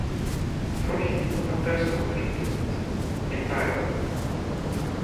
Трохі не па-братэрску атрымліваецца, няправільна.